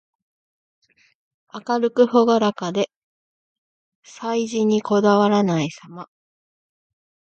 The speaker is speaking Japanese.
明るくほがらかで、細事にこだわらないさま。